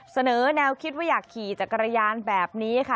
เสนอแนวคิดว่าอยากขี่จักรยานแบบนี้ค่ะ